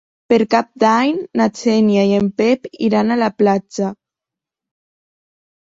Per Cap d'Any na Xènia i en Pep iran a la platja.